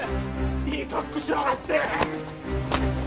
いい格好しやがって！